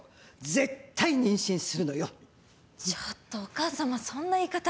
ちょっとお母さまそんな言い方。